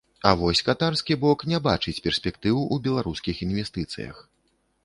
А вось катарскі бок не бачыць перспектыў у беларускіх інвестыцыях.